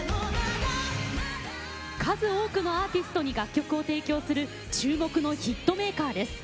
数多くのアーティストに楽曲を提供する注目のヒットメーカーです。